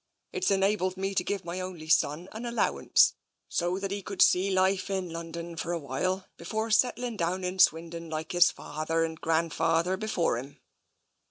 It's enabled me to give my only son an allowance, so that he could see life in London for a while before settling down in Swindon like his father and grand father before him."